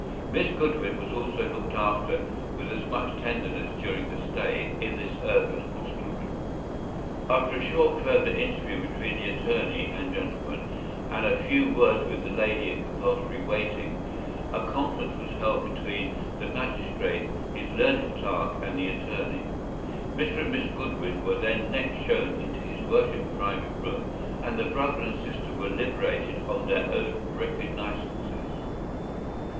Miss Goodwin was also looked after with as much tenderness during her stay in this urban hostelry. After a short further interview between the attorney and gentleman, and a few words with the lady in compulsory waiting, a conference was held between the magistrate, his learned clerk, and the attorney. Mr. and Miss Goodwin were then next shown into his worship’s private room, and the brother and sister were liberated on their own recognisances.